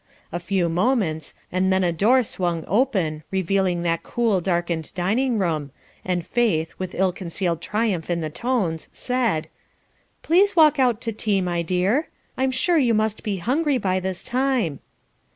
A few moments, and then the door swung open, revealing that cool darkened dining room, and Faith, with ill concealed triumph in the tones, said: "Please walk out to tea, my dear; I'm sure you must be hungry by this time."